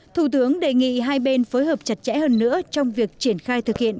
thủ tướng đề nghị hai bên phối hợp chặt chẽ hơn nữa trong việc triển khai thực hiện